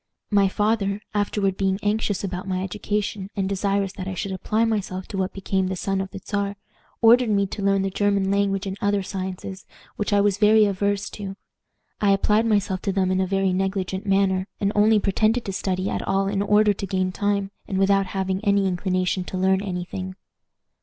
"My father, afterward being anxious about my education, and desirous that I should apply myself to what became the son of the Czar, ordered me to learn the German language and other sciences, which I was very averse to. I applied myself to them in a very negligent manner, and only pretended to study at all in order to gain time, and without having any inclination to learn any thing.